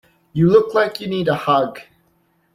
You look like you need a hug!.